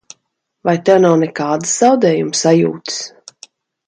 Vai tev nav nekādas zaudējuma sajūtas?